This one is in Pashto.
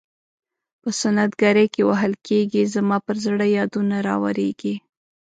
په سنت ګرۍ کې وهل کیږي زما پر زړه یادونه راوریږي.